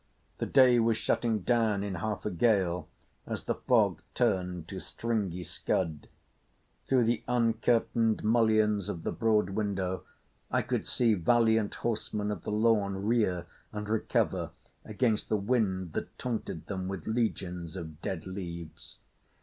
The day was shutting down in half a gale as the fog turned to stringy scud. Through the uncurtained mullions of the broad window I could see valiant horsemen of the lawn rear and recover against the wind that taunted them with legions of dead leaves.